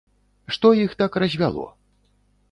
Што іх так развяло?